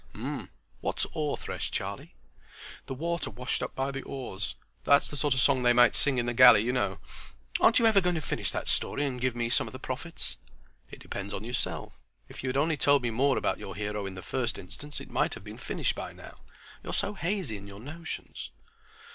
"H'm. What's oar thresh, Charlie?" "The water washed up by the oars. That's the sort of song they might sing in the galley, y'know. Aren't you ever going to finish that story and give me some of the profits?" "It depends on yourself. If you had only told me more about your hero in the first instance it might have been finished by now. You're so hazy in your notions."